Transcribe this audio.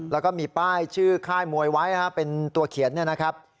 แล้วก็มีป้ายชื่อค่ายมวยไว้เป็นตัวเขียนเนี่ยนะครับ